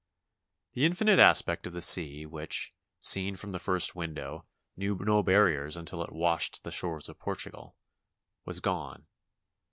The infinite aspect of the sea which, seen from the first window, knew no barriers until it washed the shores of Portugal, was gone.